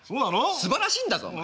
すばらしいんだぞお前。